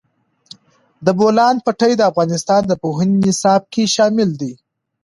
د بولان پټي د افغانستان د پوهنې نصاب کې شامل دي.